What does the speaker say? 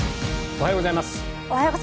おはようございます。